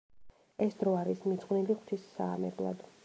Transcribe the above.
ეს დრო არის მიძღვნილი ღვთის საამებლად.